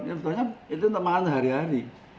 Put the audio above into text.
ini untuk makan sehari hari